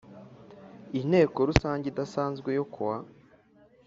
Inteko Rusange idasanzwe yo kuwa